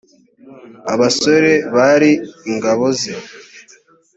abasore bari ingabo ze.